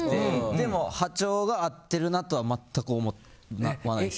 でも波長が合っているなとは全く思わないですね。